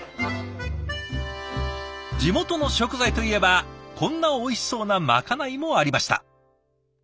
地元の食材といえばこんなおいしそうなまかないもありました。